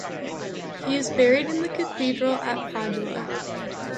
He is buried in the cathedral at Padua.